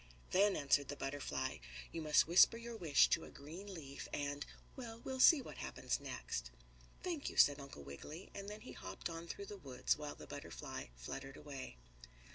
"Then," answered the butterfly, "you must whisper your wish to a green leaf and well, we'll see what happens next." "Thank you," said Uncle Wiggily, and then he hopped on through the woods while the butterfly fluttered away.